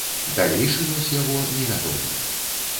Далейшы лёс яго невядомы.